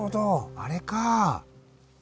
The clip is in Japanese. あれか。